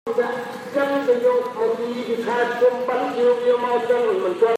Spirit animation Spirited.